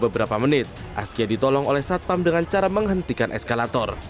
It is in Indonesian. beberapa menit askia ditolong oleh satpam dengan cara menghentikan eskalator